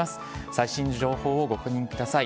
最新情報をご確認ください。